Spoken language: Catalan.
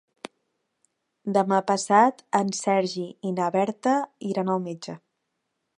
Demà passat en Sergi i na Berta iran al metge.